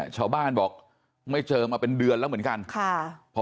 ชาวบ้านบอกไม่เจอมาเป็นเดือนแล้วเหมือนกัน